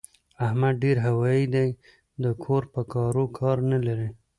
احمد ډېر هوايي دی؛ د کور په کارو کار نه لري.